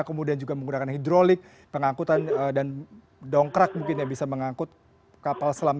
kemudian juga menggunakan hidrolik pengangkutan dan dongkrak mungkin yang bisa mengangkut kapal selam